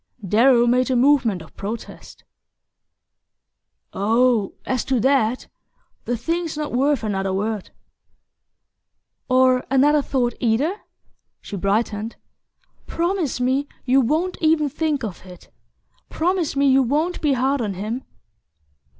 Darrow made a movement of protest. "Oh, as to that the thing's not worth another word." "Or another thought, either?" She brightened. "Promise me you won't even think of it promise me you won't be hard on him!"